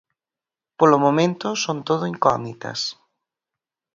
Polo momento, son todo incógnitas.